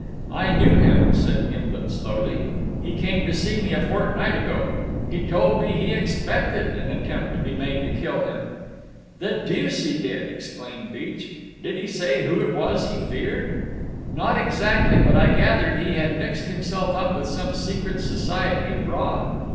"I knew him," said Gimblet slowly. "He came to see me a fortnight ago. He told me he expected an attempt might be made to kill him." "The deuce he did!" exclaimed Beech. "Did he say who it was he feared?" "Not exactly; but I gathered he had mixed himself up with some secret society abroad.